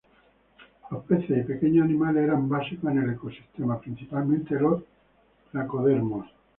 Los peces y pequeños animales eran básicos en el ecosistema, principalmente los placodermos.